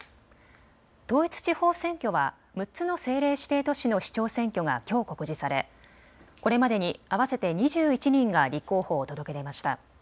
統一地方選挙は６つの政令指定都市の市長選挙がきょう告示されこれまでに合わせて２１人が立候補を届け出ました。